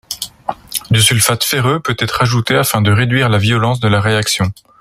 Du sulfate ferreux peut être ajouté afin de réduire la violence de la réaction.